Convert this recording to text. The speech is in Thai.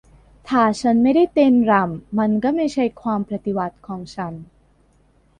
"ถ้าฉันไม่ได้เต้นรำ มันก็ไม่ใช่การปฏิวัติของฉัน"